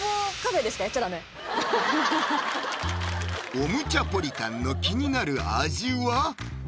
オムちゃポリタンの気になる味は？